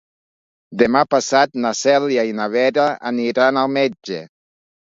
Demà passat na Cèlia i na Vera aniran al metge.